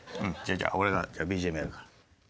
じゃあ俺がＢＧＭやるから。